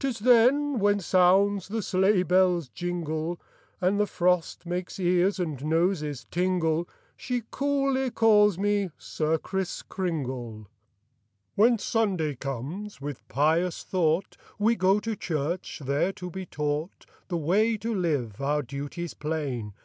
'Tis then when sounds the sleigh bell's jingle And the frost makes ears and noses tingle, She coolly calls me 'Sir Kriss Kringle.'" Copyrighted, 18U7 c^^aHEN Sunday comes, with pious thought We go to church, there to be taught The way to live, our duties plain.